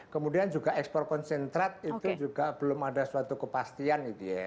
kemudian juga ekspor konsentrat itu juga belum ada suatu kepastian gitu ya